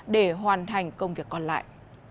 để hoàn thành công việc còn lại